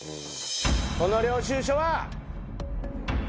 この領収書は。